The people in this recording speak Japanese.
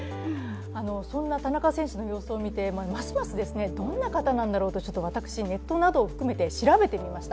そんな田中選手の様子を見てますます、どんな方なんだろうと私、ネットなどを含めて調べてみました。